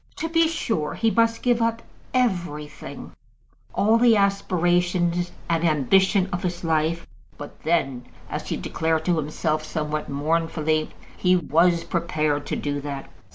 To be sure, he must give up everything, all the aspirations and ambition of his life; but then, as he declared to himself somewhat mournfully, he was prepared to do that.